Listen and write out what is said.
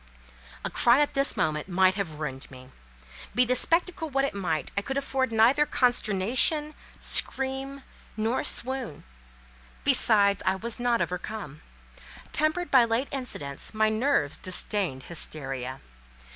A cry at this moment might have ruined me. Be the spectacle what it might, I could afford neither consternation, scream, nor swoon. Besides, I was not overcome. Tempered by late incidents, my nerves disdained hysteria.